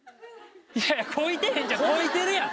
いやいや「こいてへん」ちゃうこいてるやん。